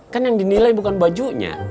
kan yang dinilai bukan bajunya